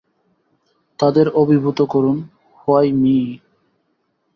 তাদের অভিভূত করুন, হোয়াই মী?